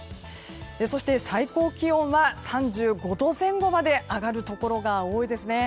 そして、最高気温は３５度前後まで上がるところが多いですね。